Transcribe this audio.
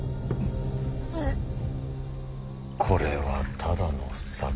これはただの酒だ。